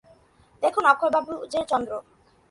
দেখুন, অক্ষয়বাবু যে– চন্দ্র।